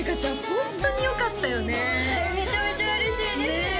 ホントによかったよねはいめちゃめちゃ嬉しいですねえ